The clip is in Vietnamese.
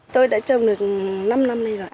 tôi đã trồng được năm năm nay rồi